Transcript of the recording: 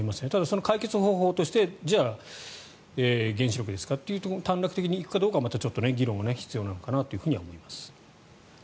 ただ、その解決方法として原子力ですかと短絡的にいくかどうかは議論が必要なのかなと思います。